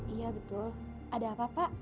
iya betul ada apa pak